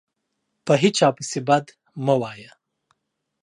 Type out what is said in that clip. په هیچا پسي بد مه وایه